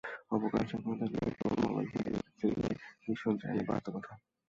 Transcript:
অবকাশ যাপনে থাকা এরদোয়ান মোবাইল থেকে একটি টেলিভিশন চ্যানেলে বার্তা পাঠান।